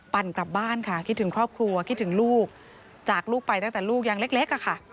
กลับบ้านค่ะคิดถึงครอบครัวคิดถึงลูกจากลูกไปตั้งแต่ลูกยังเล็กอะค่ะ